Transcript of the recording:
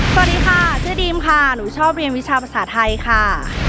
สวัสดีค่ะชื่อดีมค่ะหนูชอบเรียนวิชาภาษาไทยค่ะ